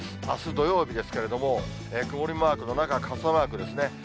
あす土曜日ですけれども、曇りマークの中、傘マークですね。